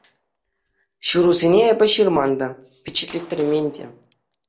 — Ҫырусене эпӗ ҫырман та, пичетлеттермен те.